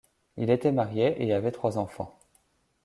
Il était marié et avait trois enfants.